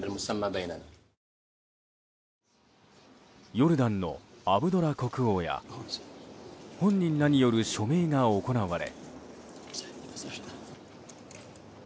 ヨルダンのアブドラ国王や本人らによる署名が行われ。